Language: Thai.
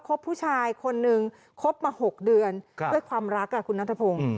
บผู้ชายคนนึงคบมา๖เดือนด้วยความรักคุณนัทพงศ์